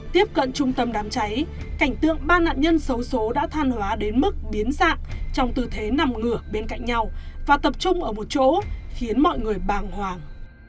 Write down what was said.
tiếp cận trung tâm đám cháy cảnh tượng ba nạn nhân xấu xố đã than hóa đến mức biến dạng trong tư thế nằm ngửa bên cạnh nhau và tập trung ở một chỗ khiến mọi người bàng hoàng